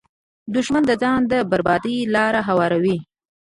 دښمن د ځان د بربادۍ لاره هواروي